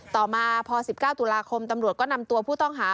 ต่อมาพอ๑๙ตุลาคมตำรวจก็นำตัวผู้ต้องหา